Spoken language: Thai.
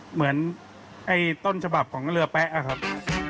เหมือนไอ้ต้นฉบับของเรือแป๊ะครับ